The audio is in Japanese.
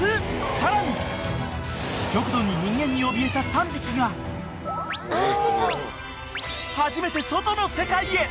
更に極度に人間におびえた３匹が初めて外の世界へ！